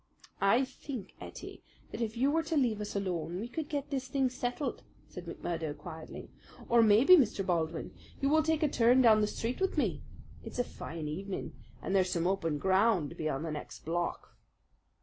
"I think, Ettie, that if you were to leave us alone we could get this thing settled," said McMurdo quietly. "Or maybe, Mr. Baldwin, you will take a turn down the street with me. It's a fine evening, and there's some open ground beyond the next block."